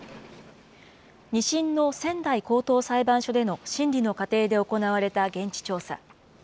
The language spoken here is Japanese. ２審の仙台高等裁判所での審理の過程で行われた現地調査。